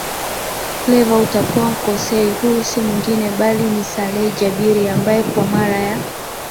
Fleva utakuwa hukosei Huyu si mwingine bali ni Saleh Jabir ambaye kwa mara ya